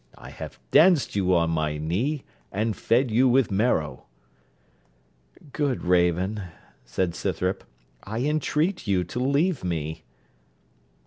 I have danced you on my knee, and fed you with marrow.' 'Good Raven,' said Scythrop, 'I entreat you to leave me.'